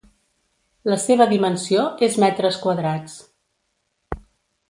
La seva dimensió és metres quadrats.